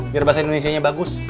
biar bahasa indonesia nya bagus